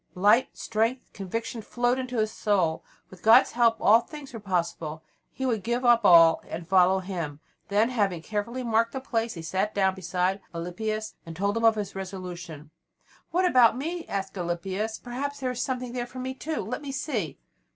Light, strength, and conviction flowed into his soul. With God's help all things were possible; he would give up all and follow Him. Then, having carefully marked the place, he sat down beside Alypius and told him of his resolution. "What about me?" asked Alypius, "Perhaps there is something there for me too. Let me see."